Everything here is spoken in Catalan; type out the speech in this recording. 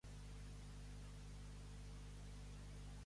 A Reus vam anar a robar pèsols; veniu-nos a rescatar, que tots som presos.